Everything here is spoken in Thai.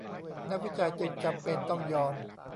นักวิจัยจึงจำเป็นต้องยอม